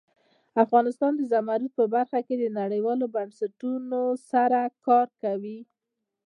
افغانستان د زمرد په برخه کې نړیوالو بنسټونو سره کار کوي.